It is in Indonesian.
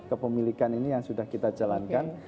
kepemilikan ini yang sudah kita jalankan